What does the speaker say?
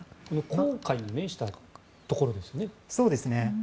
紅海に面したところですよね。